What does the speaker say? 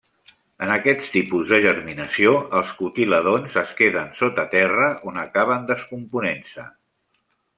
En aquest tipus de germinació els cotilèdons es queden sota terra on acaben descomponent-se.